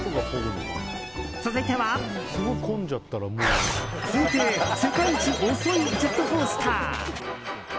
続いては、推定世界一遅いジェットコースター。